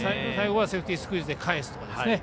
最後はセーフティースクイズで返すと。